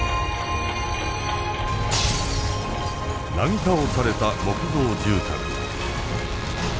なぎ倒された木造住宅。